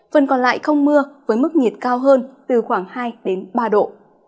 phần còn lại không mưa với mức nhiệt cao hơn từ khoảng hai ba độ